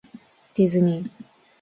ディズニー